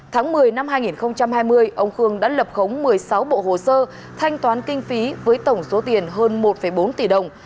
tháng một mươi năm hai nghìn hai mươi ông khương đã lập khống một mươi sáu bộ hồ sơ thanh toán kinh phí với tổng số tiền hơn một bốn tỷ đồng